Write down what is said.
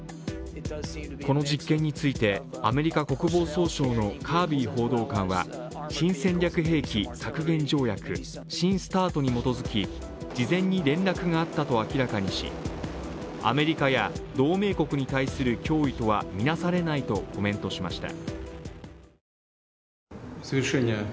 この実験について、アメリカ国防総省のカービー報道官は新戦略兵器削減条約、新ＳＴＡＲＴに基づき事前に連絡があったと明らかにしアメリカや同盟国に対する脅威とはみなされないとコメントしました。